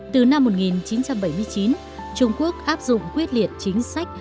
từ năm một nghìn chín trăm bảy mươi chín trung quốc áp dụng quyết liệt chính sách